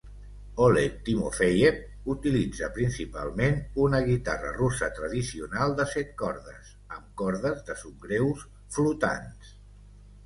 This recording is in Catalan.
Oleg Timofeyev utilitza principalment una guitarra russa tradicional de set cordes amb cordes de subgreus flotants.